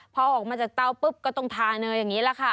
พอออกมาจากเตาปุ๊บก็ต้องทาเนยอย่างนี้แหละค่ะ